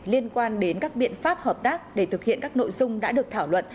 liên quan đến các biện pháp hợp tác để thực hiện các nội dung đã được thảo luận